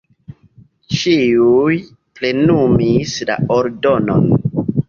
Ĉiuj plenumis la ordonon.